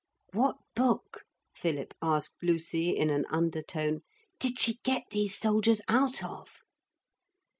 'What book,' Philip asked Lucy in an undertone, 'did she get these soldiers out of?'